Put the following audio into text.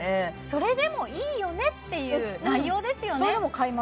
それでもいいよねっていう内容ですよね